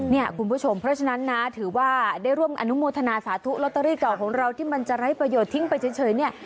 เนี่ยคุณผู้ชมเพราะฉะนั้นนะถือว่าได้ร่วมอนุโมทนาสาธุลอตเตอรี่เก่าของเราที่มันจะไร้ประโยชน์ทิ้งไปเฉยเนี่ย